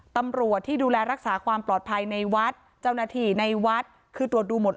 ตำรวจที่ดูแลรักษาความปลอดภัยในวัดเจ้าหน้าที่ในวัดคือตรวจดูหมด